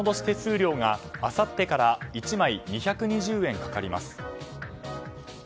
手数料があさってから１枚２２０円かかります。